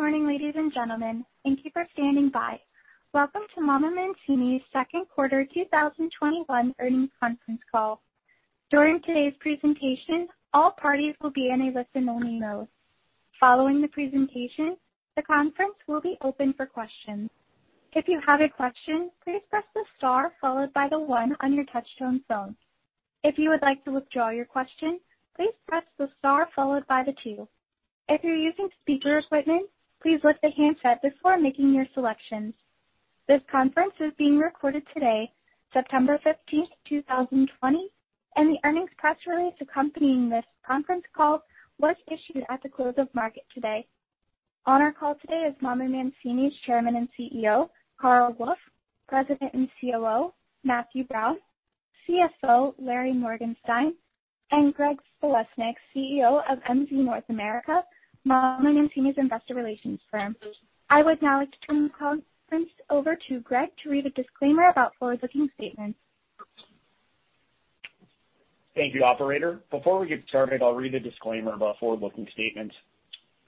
Good morning, ladies and gentlemen, thank you for standing by. Welcome to Mama Mancini's second quarter 2021 earnings conference call. During today's presentation, all parties will be in a listen-only mode. Following the presentation, the conference will be open for questions. If you have a question, please press the star followed by the one on your touch-tone phone. If you would like to withdraw your question, please press the star followed by the two. If you're using speaker equipment, please lift the handset before making your selections. This conference is being recorded today, September 15, 2020, and the earnings press release accompanying this conference call was issued at the close of market today. On our call today is Mama Mancini's Chairman and CEO Carl Wolf, President and COO Matthew Brown, CFO Larry Morgenstein, and Greg Falesnik, CEO of MZ North America, Mama Mancini's investor relations firm. I would now like to turn the conference over to Greg to read a disclaimer about forward-looking statements. Thank you, operator. Before we get started, I'll read a disclaimer about forward-looking statements.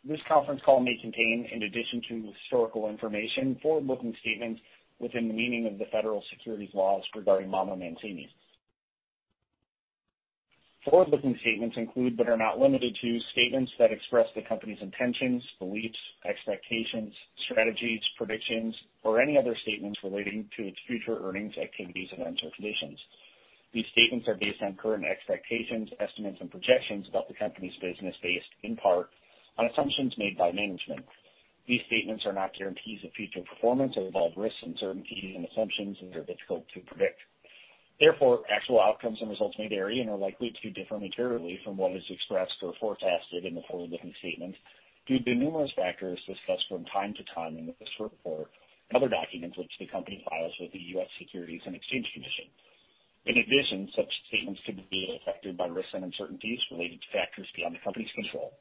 This conference call may contain, in addition to historical information, forward-looking statements within the meaning of the federal securities laws regarding Mama Mancini's. Forward-looking statements include but are not limited to statements that express the company's intentions, beliefs, expectations, strategies, predictions, or any other statements relating to its future earnings, activities, and terms or conditions. These statements are based on current expectations, estimates, and projections about the company's business based, in part, on assumptions made by management. These statements are not guarantees of future performance or involve risks, uncertainties, and assumptions that are difficult to predict. Therefore, actual outcomes and results may vary and are likely to differ materially from what is expressed or forecasted in the forward-looking statements due to the numerous factors discussed from time to time in this report and other documents which the company files with the U.S. Securities and Exchange Commission. In addition, such statements could be affected by risks and uncertainties related to factors beyond the company's control.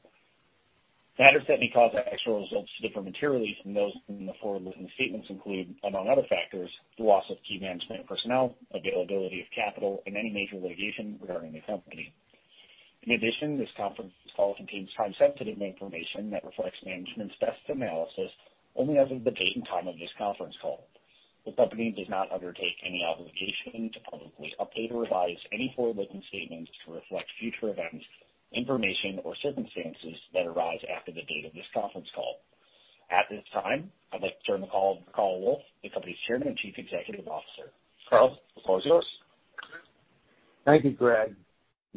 Matters that may cause actual results to differ materially from those in the forward-looking statements include, among other factors, the loss of key management personnel, availability of capital, and any major litigation regarding the company. In addition, this conference call contains time-sensitive information that reflects management's best analysis only as of the date and time of this conference call. The company does not undertake any obligation to publicly update or revise any forward-looking statements to reflect future events, information, or circumstances that arise after the date of this conference call. At this time, I'd like to turn the call to Carl Wolf, the company's Chairman and Chief Executive Officer. Carl, the floor is yours. Thank you, Greg.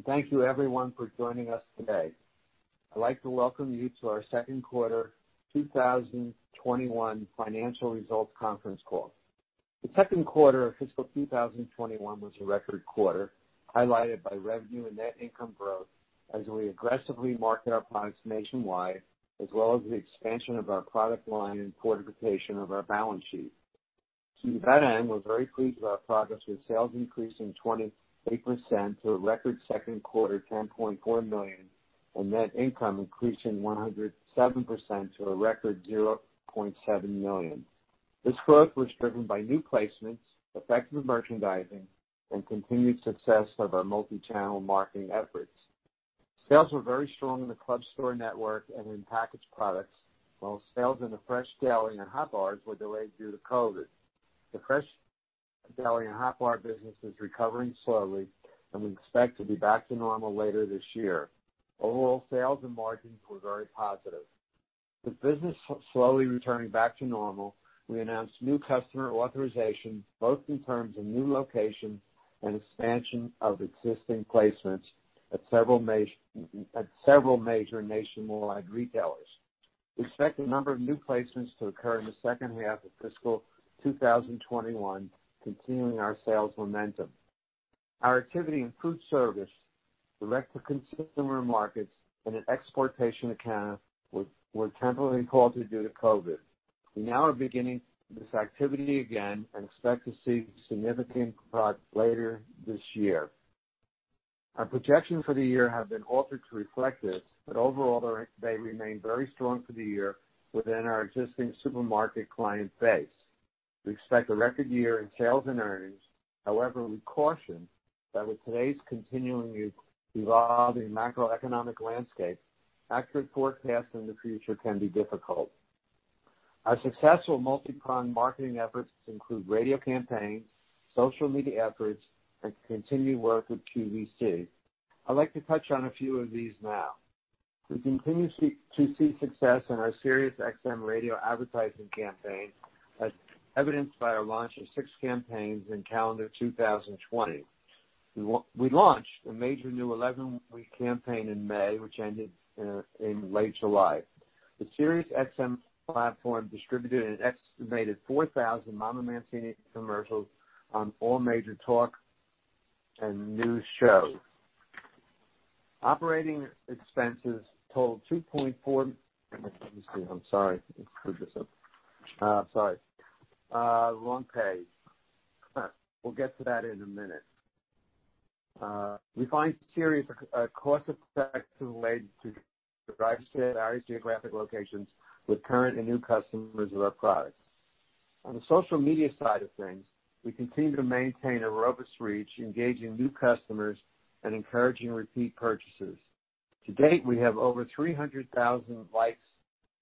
Thank you, everyone, for joining us today. I'd like to welcome you to our second quarter 2021 financial results conference call. The second quarter of fiscal 2021 was a record quarter highlighted by revenue and net income growth as we aggressively market our products nationwide as well as the expansion of our product line and fortification of our balance sheet. To that end, we're very pleased with our progress with sales increasing 28% to a record second quarter $10.4 million and net income increasing 107% to a record $0.7 million. This growth was driven by new placements, effective merchandising, and continued success of our multi-channel marketing efforts. Sales were very strong in the club store network and in packaged products, while sales in the fresh deli and hot bars were delayed due to COVID. The fresh deli and hot bar business is recovering slowly, and we expect to be back to normal later this year. Overall sales and margins were very positive. With business slowly returning back to normal, we announced new customer authorization both in terms of new locations and expansion of existing placements at several major nationwide retailers. We expect a number of new placements to occur in the second half of fiscal 2021, continuing our sales momentum. Our activity in food service, direct-to-consumer markets, and in export accounts were temporarily halted due to COVID. We now are beginning this activity again and expect to see significant progress later this year. Our projections for the year have been altered to reflect this, but overall, they remain very strong for the year within our existing supermarket client base. We expect a record year in sales and earnings. However, we caution that with today's continually evolving macroeconomic landscape, accurate forecasts in the future can be difficult. Our successful multi-pronged marketing efforts include radio campaigns, social media efforts, and continued work with QVC. I'd like to touch on a few of these now. We continue to see success in our SiriusXM radio advertising campaign, as evidenced by our launch of 6 campaigns in calendar 2020. We launched a major new 11-week campaign in May, which ended in late July. The SiriusXM platform distributed an estimated 4,000 Mama Mancini's commercials on all major talk and news shows. Operating expenses totaled $2.4. Let me see. I'm sorry. It's through this one. I'm sorry. Wrong page. We'll get to that in a minute. We find Sirius a cost-effective way to drive various geographic locations with current and new customers of our products. On the social media side of things, we continue to maintain a robust reach, engaging new customers, and encouraging repeat purchases. To date, we have over 300,000 likes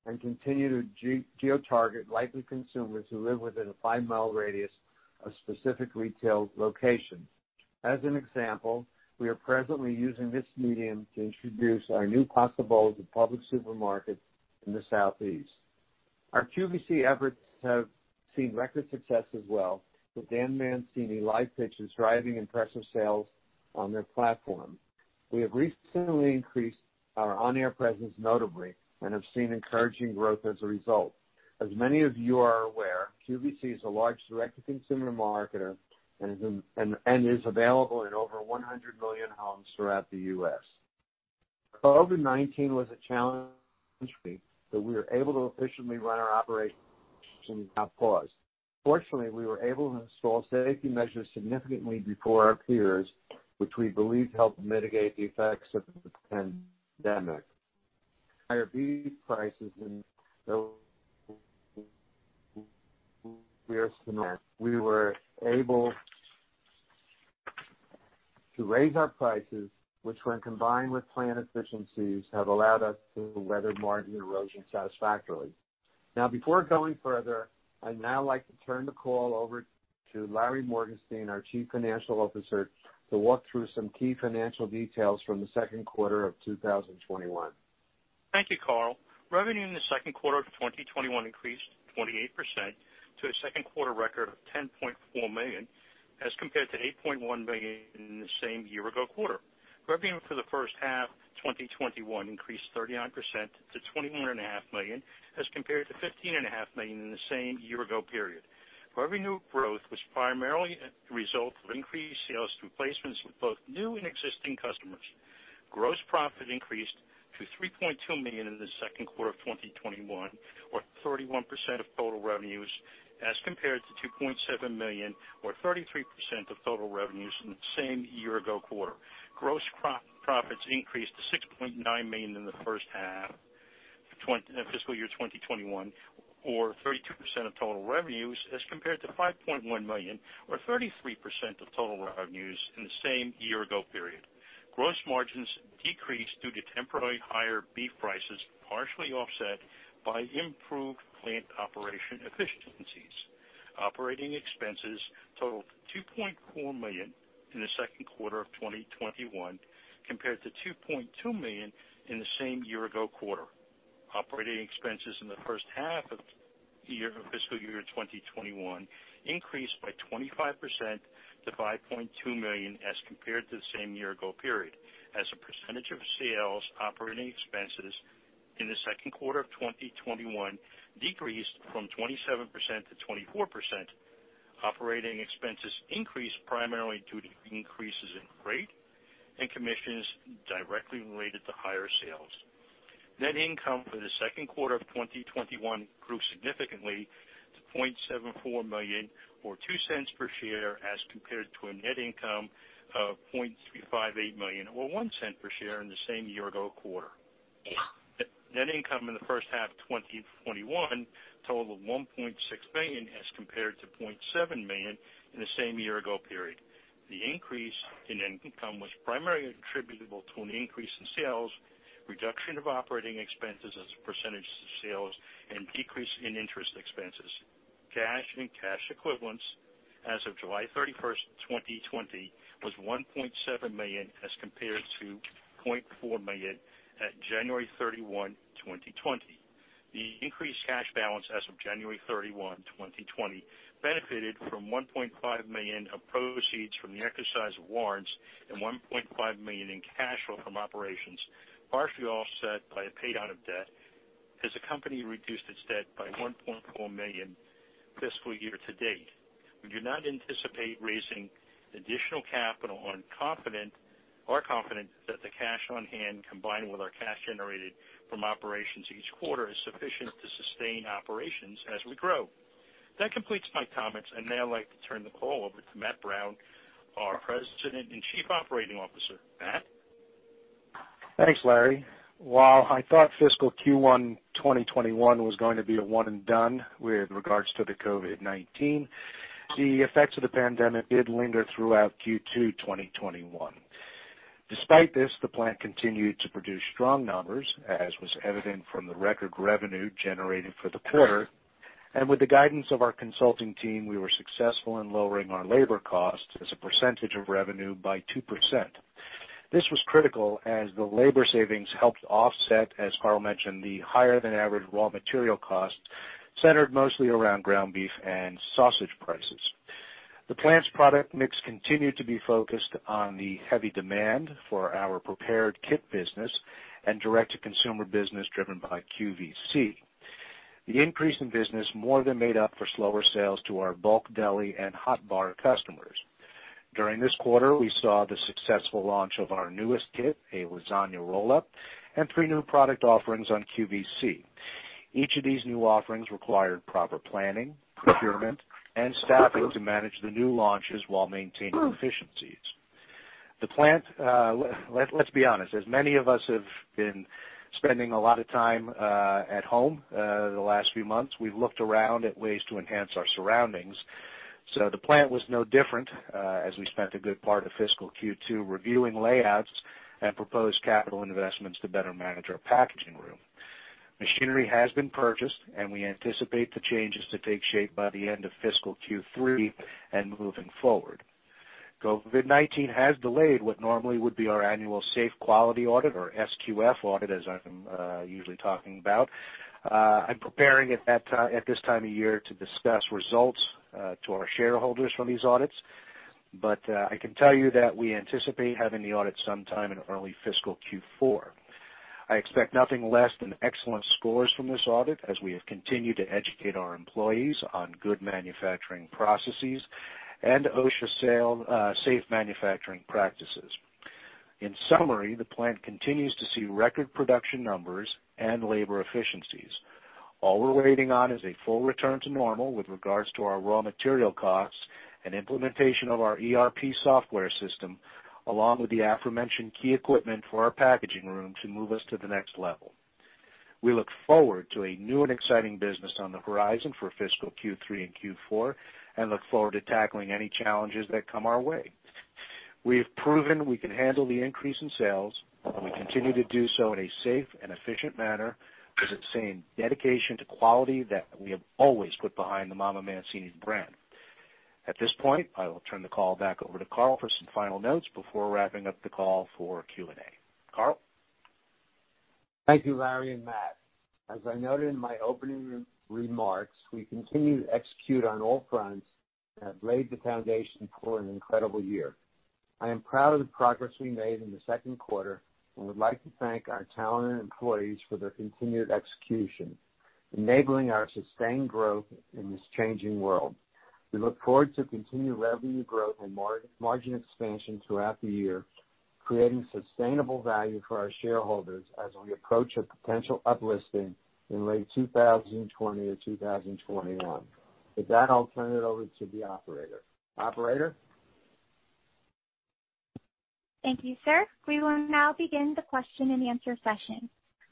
and continue to geotarget likely consumers who live within a five-mile radius of specific retail locations. As an example, we are presently using this medium to introduce our new possibility of Publix supermarkets in the Southeast. Our QVC efforts have seen record success as well, with Dan Mancini live pitches driving impressive sales on their platform. We have recently increased our on-air presence notably and have seen encouraging growth as a result. As many of you are aware, QVC is a large direct-to-consumer marketer and is available in over 100 million homes throughout the U.S. COVID-19 was a challenge that we were able to efficiently run our operations without pause. Fortunately, we were able to install safety measures significantly before our peers, which we believe helped mitigate the effects of the pandemic. Higher beef prices than we were able to raise our prices, which, when combined with plan efficiencies, have allowed us to weather margin erosion satisfactorily. Now, before going further, I'd now like to turn the call over to Larry Morgenstein, our Chief Financial Officer, to walk through some key financial details from the second quarter of 2021. Thank you, Carl. Revenue in the second quarter of 2021 increased 28% to a second quarter record of $10.4 million as compared to $8.1 million in the same year-ago quarter. Revenue for the first half 2021 increased 39% to $21.5 million as compared to $15.5 million in the same year-ago period. Revenue growth was primarily a result of increased sales through placements with both new and existing customers. Gross profit increased to $3.2 million in the second quarter of 2021, or 31% of total revenues as compared to $2.7 million, or 33% of total revenues in the same year-ago quarter. Gross profits increased to $6.9 million in the first half of fiscal year 2021, or 32% of total revenues as compared to $5.1 million, or 33% of total revenues in the same year-ago period. Gross margins decreased due to temporarily higher beef prices, partially offset by improved plant operation efficiencies. Operating expenses totaled $2.4 million in the second quarter of 2021 compared to $2.2 million in the same year-ago quarter. Operating expenses in the first half of fiscal year 2021 increased by 25% to $5.2 million as compared to the same year-ago period. As a percentage of sales, operating expenses in the second quarter of 2021 decreased from 27%-24%. Operating expenses increased primarily due to increases in freight and commissions directly related to higher sales. Net income for the second quarter of 2021 grew significantly to $0.74 million, or $0.02 per share, as compared to a net income of $0.358 million, or $0.01 per share, in the same year-ago quarter. Net income in the first half of 2021 totaled $1.6 million as compared to $0.7 million in the same year-ago period. The increase in income was primarily attributable to an increase in sales, reduction of operating expenses as a percentage of sales, and decrease in interest expenses. Cash and cash equivalents as of July 31, 2020, was $1.7 million as compared to $0.4 million at January 31, 2020. The increased cash balance as of January 31, 2020, benefited from $1.5 million of proceeds from the exercise of warrants and $1.5 million in cash flow from operations, partially offset by a pay down of debt. Has the company reduced its debt by $1.4 million fiscal year to date? We do not anticipate raising additional capital unconfident or confident that the cash on hand, combined with our cash generated from operations each quarter, is sufficient to sustain operations as we grow. That completes my comments. I'd now like to turn the call over to Matt Brown, our President and Chief Operating Officer. Matt. Thanks, Larry. While I thought fiscal Q1 2021 was going to be a one-and-done with regards to the COVID-19, the effects of the pandemic did linger throughout Q2 2021. Despite this, the plant continued to produce strong numbers, as was evident from the record revenue generated for the quarter. With the guidance of our consulting team, we were successful in lowering our labor costs as a percentage of revenue by 2%. This was critical as the labor savings helped offset, as Carl mentioned, the higher-than-average raw material costs centered mostly around ground beef and sausage prices. The plant's product mix continued to be focused on the heavy demand for our prepared kit business and direct-to-consumer business driven by QVC. The increase in business more than made up for slower sales to our bulk deli and hot bar customers. During this quarter, we saw the successful launch of our newest kit, a Lasagna Roll-up, and three new product offerings on QVC. Each of these new offerings required proper planning, procurement, and staffing to manage the new launches while maintaining efficiencies. The plant, let's be honest. As many of us have been spending a lot of time at home the last few months, we've looked around at ways to enhance our surroundings. So the plant was no different as we spent a good part of fiscal Q2 reviewing layouts and proposed capital investments to better manage our packaging room. Machinery has been purchased, and we anticipate the changes to take shape by the end of fiscal Q3 and moving forward. COVID-19 has delayed what normally would be our annual Safe Quality Food Audit, or SQF audit, as I'm usually talking about. I'm preparing at this time of year to discuss results to our shareholders from these audits, but I can tell you that we anticipate having the audit sometime in early fiscal Q4. I expect nothing less than excellent scores from this audit as we have continued to educate our employees on good manufacturing processes and OSHA and SQF safe manufacturing practices. In summary, the plant continues to see record production numbers and labor efficiencies. All we're waiting on is a full return to normal with regards to our raw material costs and implementation of our ERP software system, along with the aforementioned key equipment for our packaging room to move us to the next level. We look forward to a new and exciting business on the horizon for fiscal Q3 and Q4 and look forward to tackling any challenges that come our way. We have proven we can handle the increase in sales, and we continue to do so in a safe and efficient manner with the same dedication to quality that we have always put behind the Mama Mancini's brand. At this point, I will turn the call back over to Carl for some final notes before wrapping up the call for Q&A. Carl. Thank you, Larry and Matt. As I noted in my opening remarks, we continue to execute on all fronts that have laid the foundation for an incredible year. I am proud of the progress we made in the second quarter and would like to thank our talented employees for their continued execution, enabling our sustained growth in this changing world. We look forward to continued revenue growth and margin expansion throughout the year, creating sustainable value for our shareholders as we approach a potential uplisting in late 2020 or 2021. With that, I'll turn it over to the operator. Operator. Thank you, sir. We will now begin the question-and-answer session.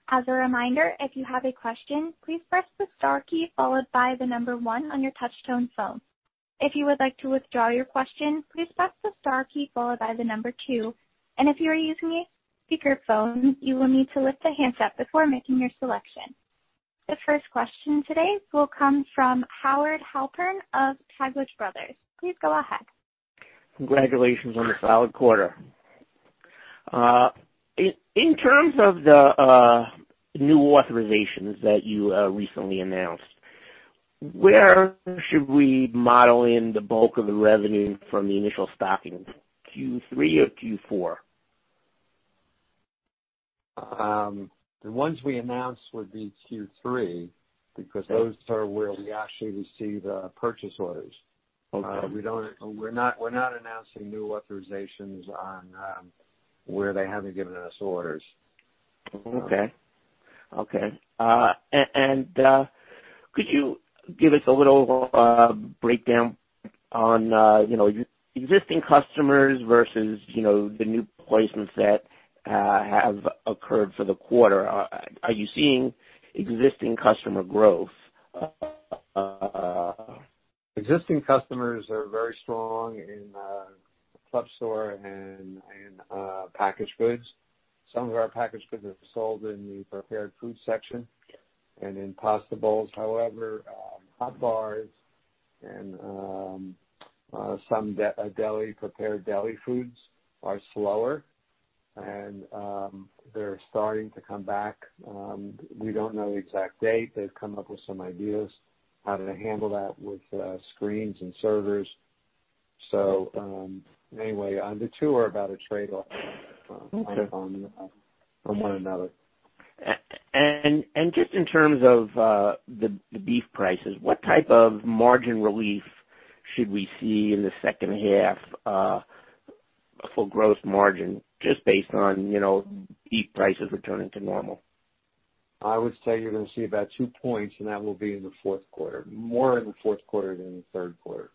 As a reminder, if you have a question, please press the star key followed by the number one on your touchscreen phone. If you would like to withdraw your question, please press the star key followed by the number two. If you are using a speakerphone, you will need to lift the handset before making your selection. The first question today will come from Howard Halpern of Taglich Brothers. Please go ahead. Congratulations on the solid quarter. In terms of the new authorizations that you recently announced, where should we model in the bulk of the revenue from the initial stocking, Q3 or Q4? The ones we announced would be Q3 because those are where we actually receive purchase orders. We're not announcing new authorizations where they haven't given us orders. Okay. Could you give us a little breakdown on existing customers versus the new placements that have occurred for the quarter? Are you seeing existing customer growth? Existing customers are very strong in the club store and packaged goods. Some of our packaged goods are sold in the prepared food section and in Pasta Bowls. However, hot bars and some prepared deli foods are slower, and they're starting to come back. We don't know the exact date. They've come up with some ideas how to handle that with screens and servers. So anyway, on the two are about a trade-off on one another. Just in terms of the beef prices, what type of margin relief should we see in the second half, a full growth margin, just based on beef prices returning to normal? I would say you're going to see about 2 points, and that will be in the fourth quarter, more in the fourth quarter than the third quarter.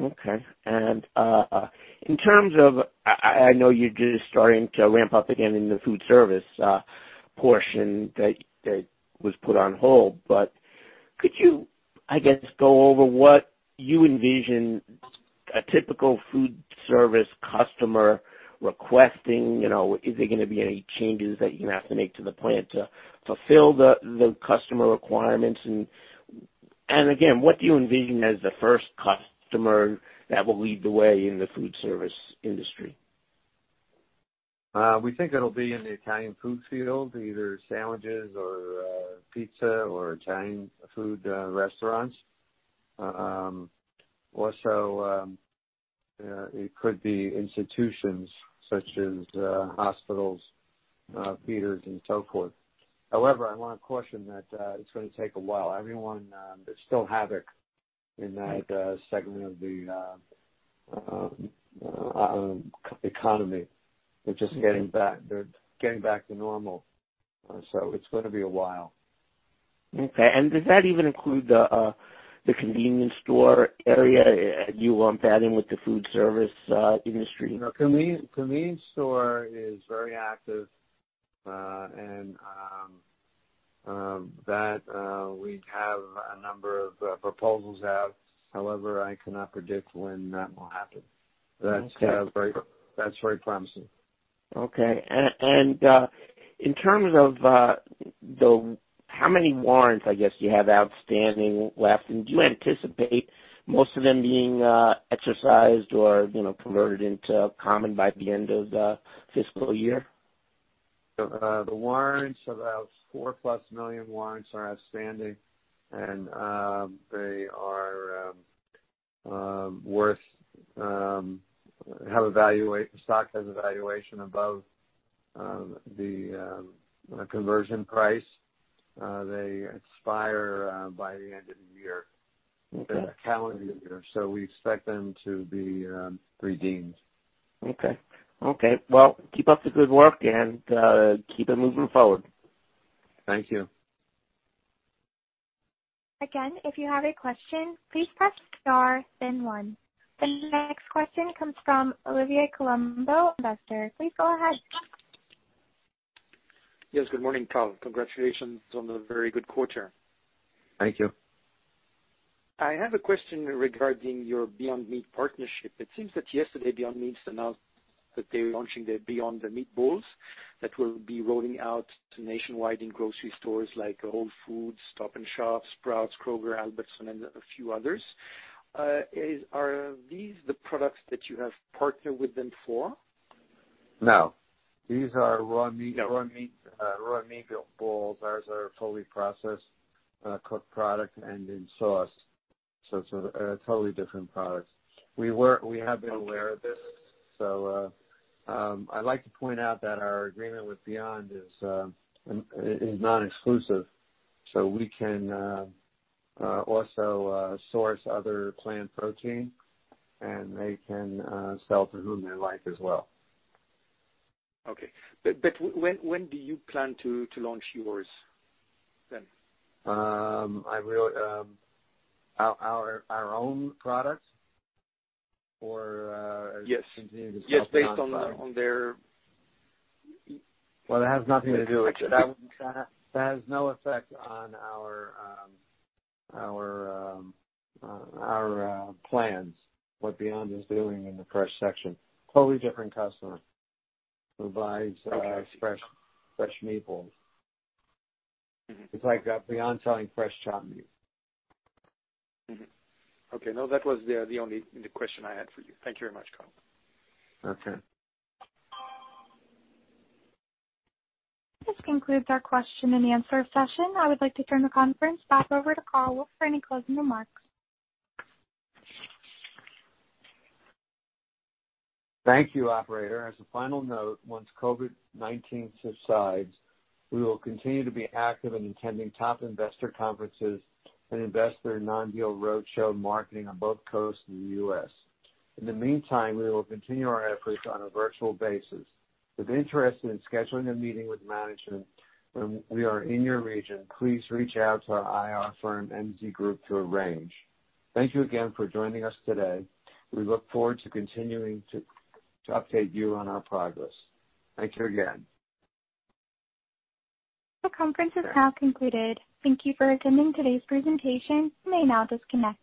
Okay. And in terms of I know you're just starting to ramp up again in the food service portion that was put on hold, but could you, I guess, go over what you envision a typical food service customer requesting? Is there going to be any changes that you're going to have to make to the plant to fulfill the customer requirements? And again, what do you envision as the first customer that will lead the way in the food service industry? We think it'll be in the Italian food field, either sandwiches or pizza or Italian food restaurants. Also, it could be institutions such as hospitals, theaters, and so forth. However, I want to caution that it's going to take a while. There's still havoc in that segment of the economy. They're just getting back to normal. So it's going to be a while. Okay. And does that even include the convenience store area? You want that in with the food service industry? Convenience store is very active, and we have a number of proposals out. However, I cannot predict when that will happen. That's very promising. Okay. And in terms of how many warrants, I guess, do you have outstanding left? And do you anticipate most of them being exercised or converted into common by the end of the fiscal year? The warrants, about 4+ million warrants are outstanding, and they have a stock has a valuation above the conversion price. They expire by the end of the year, the calendar year. So we expect them to be redeemed. Okay. Well, keep up the good work and keep it moving forward. Thank you. Again, if you have a question, please press the star, then one. The next question comes from Olivier Colombo, investor. Please go ahead. Yes. Good morning, Carl. Congratulations on the very good quarter. Thank you. I have a question regarding your Beyond Meat partnership. It seems that yesterday, Beyond Meat announced that they're launching their Beyond Meat Bowls that will be rolling out nationwide in grocery stores like Whole Foods, Stop & Shop, Sprouts, Kroger, Albertsons, and a few others. Are these the products that you have partnered with them for? No. These are raw meat bowls. Ours are fully processed, cooked product, and in sauce. So it's totally different products. We have been aware of this. So I'd like to point out that our agreement with Beyond is non-exclusive. So we can also source other plant protein, and they can sell to whom they like as well. Okay. But when do you plan to launch yours then? Our own products or continue to sell plant products? Yes. Based on their. Well, that has nothing to do with that. That has no effect on our plans, what Beyond is doing in the fresh section. Totally different customer who buys fresh meat bowls. It's like Beyond selling fresh chopped meat. Okay. No, that was the only question I had for you. Thank you very much, Carl. Okay. This concludes our question-and-answer session. I would like to turn the conference back over to Carl for any closing remarks. Thank you, operator. As a final note, once COVID-19 subsides, we will continue to be active in attending top investor conferences and investor non-deal roadshow marketing on both coasts of the U.S. In the meantime, we will continue our efforts on a virtual basis. If interested in scheduling a meeting with management when we are in your region, please reach out to our IR firm, MZ Group, to arrange. Thank you again for joining us today. We look forward to continuing to update you on our progress. Thank you again. The conference is now concluded. Thank you for attending today's presentation. You may now disconnect.